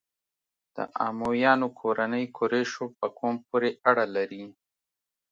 د امویانو کورنۍ قریشو په قوم پورې اړه لري.